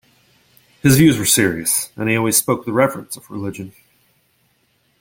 His views were serious, and he always spoke with reverence of religion.